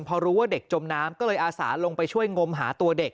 พอรู้ว่าเด็กจมน้ำก็เลยอาสาลงไปช่วยงมหาตัวเด็ก